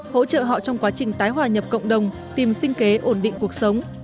hỗ trợ họ trong quá trình tái hòa nhập cộng đồng tìm sinh kế ổn định cuộc sống